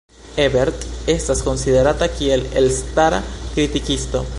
Ebert estas konsiderata kiel elstara kritikisto.